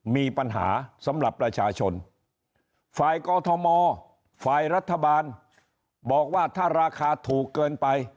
มีปัญหาสำหรับประชาชนฝ่ายกอทมฝ่ายรัฐบาลบอกว่าถ้าราคาถูกเกินไป